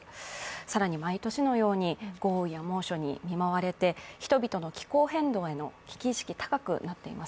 更に毎年のように豪雨や猛暑に見舞われて人々の気候変動への危機意識、高くなっています。